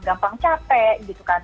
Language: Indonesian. gampang capek gitu kan